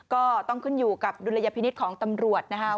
ก็ต้องขึ้นอยู่กับดุลยพินิษฐ์ของตำรวจนะครับ